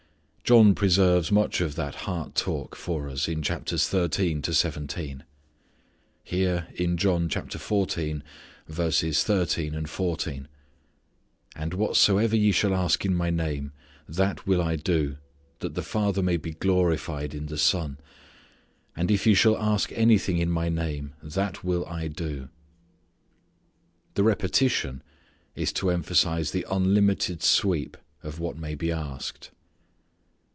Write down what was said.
John preserves much of that heart talk for us in chapters thirteen to seventeen. Here in John 14:13, 14: "And whatsoever ye shall ask in My name, that will I do, that the Father may be glorified in the Son. If ye shall ask anything in My name, that will I do." The repetition is to emphasize the unlimited sweep of what may be asked.